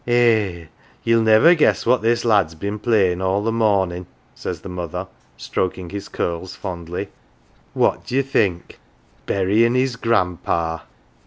" Eh, ye'll niver guess what this lad's been playin' all the morning," says the mother, stroking his curls fondly. " What d'ye think ? Burying his grandpa